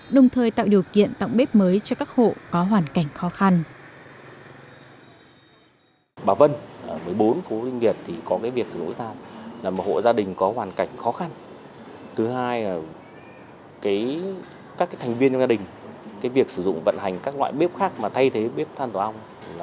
đồng thời tạo điều kiện tặng bếp mới cho các hộ có hoàn cảnh khó khăn